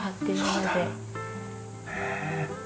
へえ。